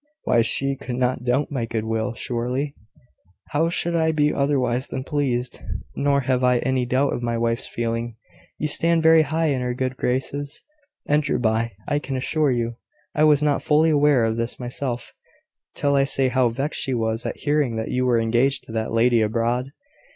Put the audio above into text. "Why, she could not doubt my good will, surely? How should I be otherwise than pleased? Nor have I any doubt of my wife's feeling. You stand very high in her good graces, Enderby, I can assure you. I was not fully aware of this myself, till I saw how vexed she was at hearing that you were engaged to that lady abroad.